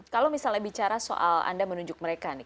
kalau misalnya bicara soal anda menunjuk mereka nih